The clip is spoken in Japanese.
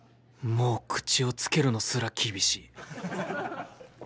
もう口をつけるのすら厳しい。